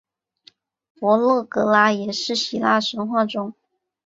佛勒格拉也是希腊神话中。